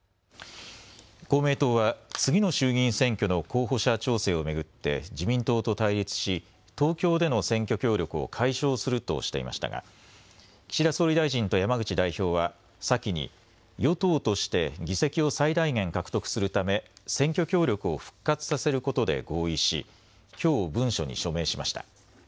公明党は次の衆議院選挙の候補者調整を巡って自民党と対立し東京での選挙協力を解消するとしていましたが岸田総理大臣と山口代表は先に与党として議席を最大限獲得するため、選挙協力を復活させることで合意しきょう文書に署名しました。